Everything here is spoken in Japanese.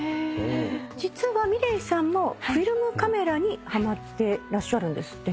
実は美玲さんもフィルムカメラにハマってらっしゃるんですってね。